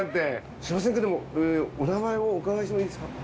すみませんけどもお名前をお伺いしてもいいですか？